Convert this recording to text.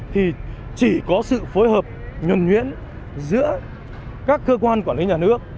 thì chỉ có sự phối hợp nhuẩn nhuyễn giữa các cơ quan quản lý nhà nước